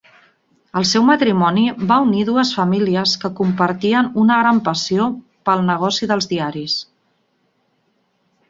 El seu matrimoni va unir dues famílies que compartien una gran passió pel negoci dels diaris.